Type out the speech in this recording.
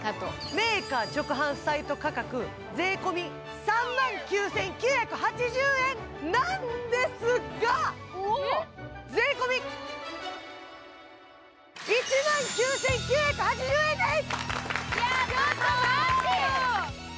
メーカー直販サイト価格、税込み３万９９８０円なんですが税込み１万９９８０円です！